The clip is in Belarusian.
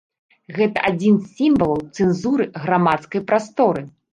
Гэта адзін з сімвалаў цэнзуры грамадскай прасторы.